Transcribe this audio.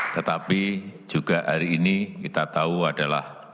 tetapi juga hari ini kita tahu adalah